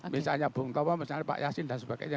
misalnya bung tomo misalnya pak yasin dan sebagainya